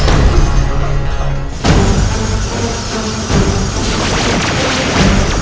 apa yang kau lakukan